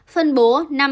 phân bố năm